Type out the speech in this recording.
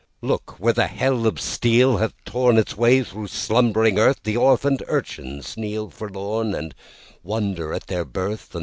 Look! Where the hell of steel has tornIts way through slumbering earthThe orphaned urchins kneel forlornAnd wonder at their birth.